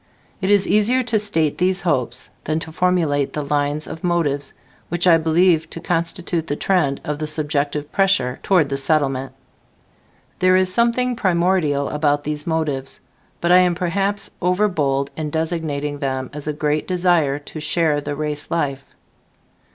It is easier to state these hopes than to formulate the line of motives, which I believe to constitute the trend of the subjective pressure toward the Settlement. There is something primordial about these motives, but I am perhaps overbold in designating them as a great desire to share the race life.